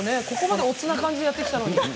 ここまでおつな感じでやってきたのに。